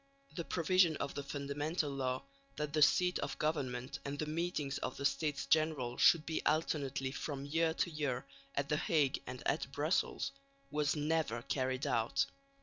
The provision of the Fundamental Law that the seat of government and the meetings of the States General should be alternately from year to year at the Hague and at Brussels was never carried out.